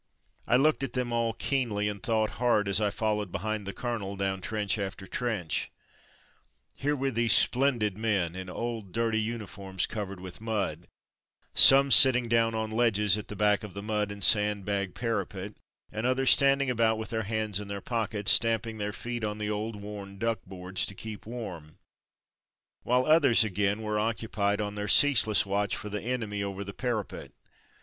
I looked at them all keenly, and thought hard as I followed behind the colonel down trench after trench. Here were these splendid men, in old, dirty uni forms covered with mud ; some sitting down on ledges at the back of the mud and sand bag para pet and others stand ing about with their hands in their pock ets, stamping their feet on the old worn 'Muck boards'' to keep warm; while others, again, were ^ occupied on their ceaseless watch for the enemy over the parapet.